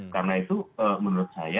karena itu menurut saya